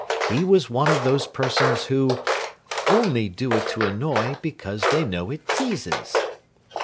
He was one of those persons who "only do it to annoy, Because they know it teases."